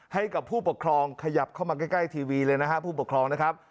ให้กับผู้ปกครองขยับเข้ามาใกล้ทีวีเลยนะฮะผู้ปกครองนะครับ